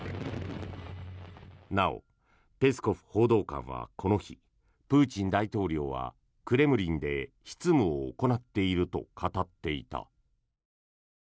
なお、ペスコフ報道官はこの日プーチン大統領はクレムリンで執務を行っていると語っていた。